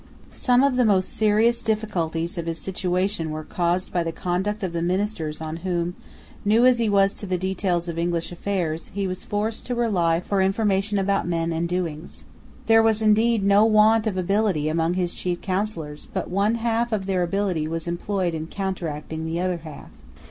Some of the most serious difficulties of his situation were caused by the conduct of the ministers on whom, new as he was to the details of English affairs, he was forced to rely for information about men and things. There was indeed no want of ability among his chief counsellors: but one half of their ability was employed in counteracting the other half.